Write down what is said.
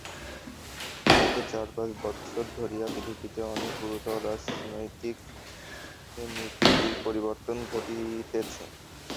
গত চার-পাঁচ বৎসর ধরিয়া পৃথিবীতে অনেক গুরুতর রাজনীতিক পরিবর্তন ঘটিতেছে।